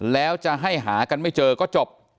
แล้วจะให้หากันไม่เจอก็จบ